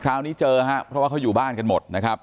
คราวนี้เจอครับเพราะว่าเขาอยู่บ้านกันหมดนะครับ